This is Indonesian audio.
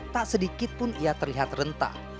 tak sedikit pun ia terlihat rentah